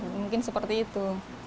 mungkin seperti itu